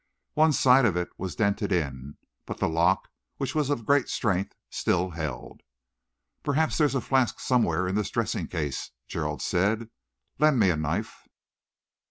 One side of it was dented in, but the lock, which was of great strength, still held. "Perhaps there's a flask somewhere in this dressing case," Gerald said. "Lend me a knife."